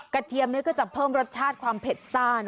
เทียมก็จะเพิ่มรสชาติความเผ็ดซ่าน